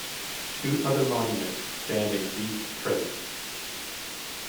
Two other monuments stand in Greek Thrace.